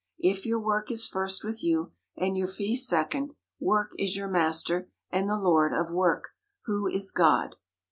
If your work is first with you, and your fee second, work is your master, and the lord of work, who is God.